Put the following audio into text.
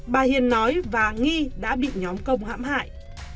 bà hiền nói và nghi đã bị nhóm công hãm hại